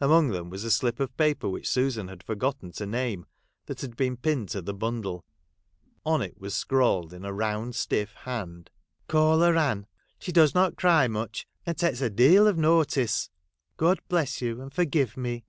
Among them was a slip of paper which Susan had forgotten to name, that had been pinned to the bundle. On it was scrawled in a round stiff hand, ' Call her Anne. She does not cry imich, and takes a deal of notice. Gocl bless you and forgive me.'